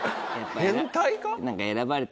変態か？